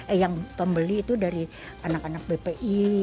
eh yang pembeli itu dari anak anak bpi